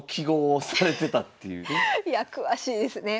いや詳しいですね。